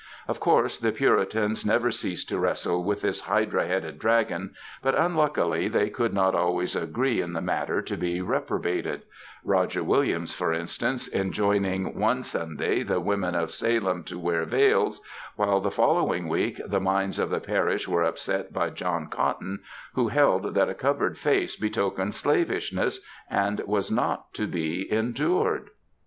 Of course the Puritans never ceased to wrestle with this hydra headed dragon, but un luckily they could not always agree in the matter to be reprobated : Roger Williams, for instance, enjoining one Sunday the women of Salem to wear veils, while the follow ing week the minds of the parish were upset by John Cotton, who held that a covered face betokened slavishness, and was not to be endured.